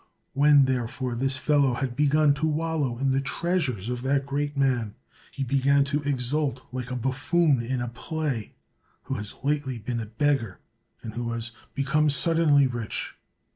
When, therefore, this fellow had begun to wallow in the treasures of that great man, he began to exult like a buffoon in a play, who has lately been a beggar, and has become suddenly rich.